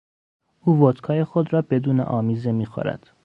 او ودکای خود را بدون آمیزه میخورد.